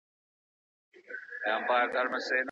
د لاس لیکنه د زده کوونکو ترمنځ د اړیکو وسیله ده.